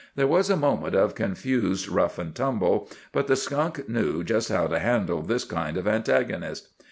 There was a moment of confused rough and tumble, but the skunk knew just how to handle this kind of antagonist.